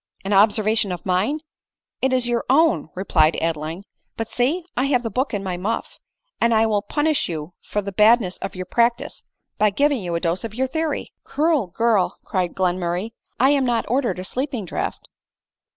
" An observation of mine ! It is your own," replied Adeline ;" but see, I have the book in my muff; and I will punish you for the badness of your practice, by giv ing you a dose of your theory." "Cruel girl!" cried Glenmurray, " I am not ordered a sleeping draught